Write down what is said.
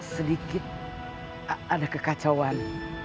sedikit ada kekacauan